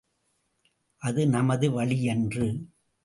அது நமது வழியன்று.